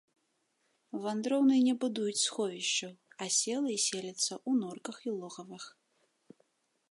Вандроўныя не будуюць сховішчаў, аселыя селяцца ў норках і логавах.